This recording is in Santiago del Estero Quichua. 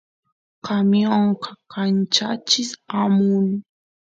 camionqa kanchachis amun